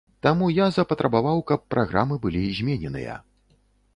Таму я запатрабаваў, каб праграмы былі змененыя.